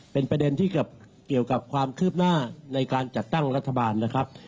เป็นประเด็นที่เกี่ยวกับความคืบหน้าในการจัดตั้งรัฐบาลนะครับ